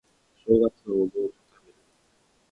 お正月はお雑煮を食べる